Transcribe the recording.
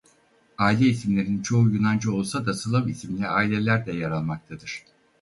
Aile isimlerinin çoğu Yunanca olsa da Slav isimli aileler de yer almaktadır.